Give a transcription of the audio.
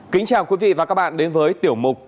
kính chào quý vị và các bạn đến với tiểu mục